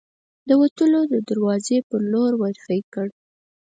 د وتلو دروازې په لور ور هۍ کړل.